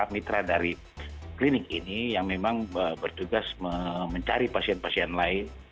mitra dari klinik ini yang memang bertugas mencari pasien pasien lain